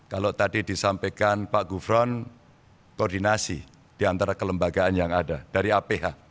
kalau tadi disampaikan pak gufron koordinasi diantara kelembagaan yang ada dari aph